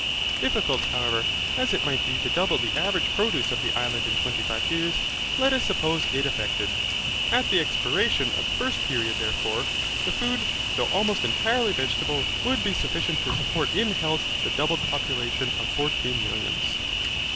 Difficult, however, as it might be to double the average produce of the island in twenty five years, let us suppose it effected. At the expiration of the first period therefore, the food, though almost entirely vegetable, would be sufficient to support in health the doubled population of fourteen millions.